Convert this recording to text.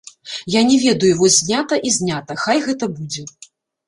Я не ведаю, вось знята і знята, хай гэта будзе.